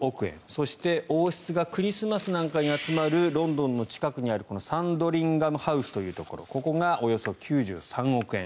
そして、王室がクリスマスなんかに集まるロンドンの近くにあるサンドリンガム・ハウスというところここがおよそ９３億円。